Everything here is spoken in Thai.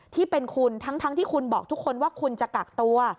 ที่เป็นคุณทั้งที่คุณบอกทุกคนว่าคุณจะกักตัว